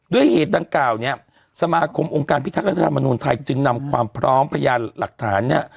เหตุดังกล่าวเนี่ยสมาคมองค์การพิทักษ์รัฐธรรมนุนไทยจึงนำความพร้อมพยานหลักฐานเนี่ย